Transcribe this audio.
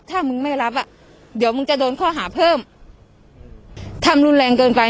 ถ้ามึงไม่รับอ่ะเดี๋ยวมึงจะโดนข้อหาเพิ่มทำรุนแรงเกินไป